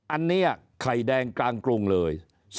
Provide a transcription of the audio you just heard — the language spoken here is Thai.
อันนี้ไข่แดงกลางกรุงเลย